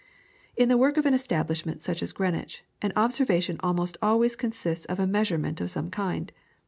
In the work of an establishment such as Greenwich, an observation almost always consists of a measurement of some kind.